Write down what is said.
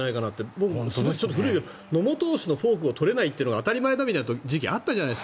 僕、古いけど野茂投手のフォークをとれないというのが当たり前だみたいな時期があったじゃない。